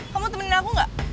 kamu mau temenin aku gak